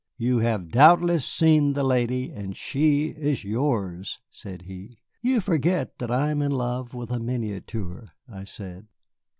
"You have doubtless seen the lady, and she is yours," said he. "You forget that I am in love with a miniature," I said.